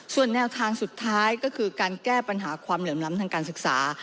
ส่วนแนวทางสุดท้ายก็คือการแก้ปัญหาความเหลื่อมล้ำทางการศึกษา